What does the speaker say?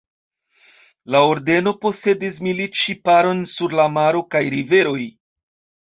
La ordeno posedis militŝiparon sur la maro kaj riveroj.